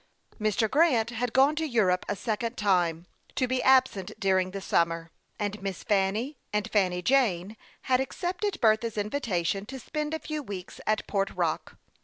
Mr. Grant had gone to Europe a second time, to be absent during the summer, and Miss Fanny and Fanny Jane had accepted Bertha's invitation to spend a few weeks at Port Rock.